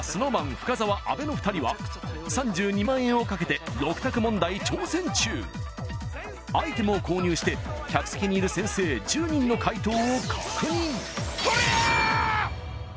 深澤阿部の２人は３２万円をかけて６択問題挑戦中アイテムを購入して客席にいる先生１０人の解答を確認とりゃっ！